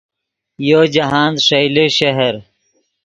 یو جاہند ݰئیلے شہر